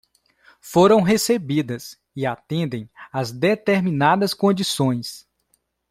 foram recebidas e atendem a determinadas condições.